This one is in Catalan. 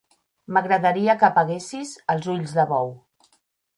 M'agradaria que apaguessis els ulls de bou.